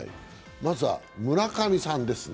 まずは村上さんですね。